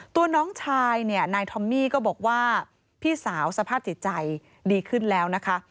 ตัวน้องชายเนี่ยนายทอมมี่ก็บอกว่าพี่สาวสภาพจิตใจดีขึ้นแล้วนะคะ